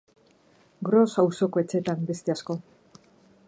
Gros auzoko etxeetan beste asko.